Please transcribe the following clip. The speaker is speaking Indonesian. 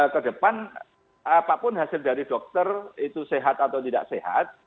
kedepan apapun hasil dari dokter itu sehat atau tidak sehat